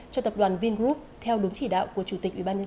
cho tập đoàn vingroup theo đúng chỉ đạo của chủ tịch ubnd